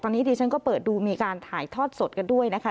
ตอนนี้ดิฉันก็เปิดดูมีการถ่ายทอดสดกันด้วยนะคะ